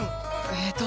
えっと